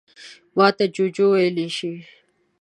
_ماته جُوجُو ويلی شې.